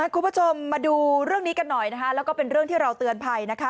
คุณผู้ชมมาดูเรื่องนี้กันหน่อยนะคะแล้วก็เป็นเรื่องที่เราเตือนภัยนะคะ